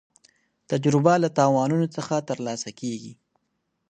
تجربه له تاوانونو څخه ترلاسه کېږي.